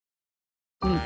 うん。